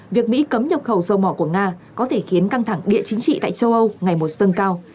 việc mỹ cấm nhập khẩu dầu mỏ của nga có thể khiến căng thẳng địa chính trị tại châu âu ngày một dâng cao